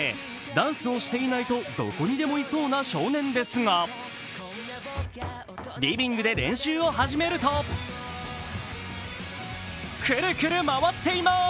ダンスをしていないと、どこにでもいそうな少年ですがリビングで練習を始めるとくるくる回っています！